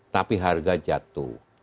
tapi harga jatuh